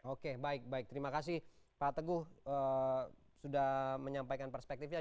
oke baik baik terima kasih pak teguh sudah menyampaikan perspektifnya